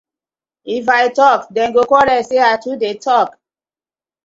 If I tok dem go quarll say I too dey tok.